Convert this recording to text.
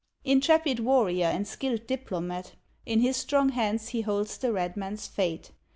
Intrepid warrior and skilled diplomate, In his strong hands he holds the red man's fate.